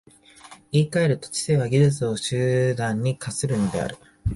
言い換えると、知性は技術を手段に化するのである。